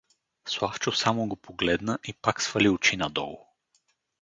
Славчо само го погледна и пак свали очи надолу.